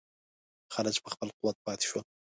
خلج په خپل قوت پاته شول.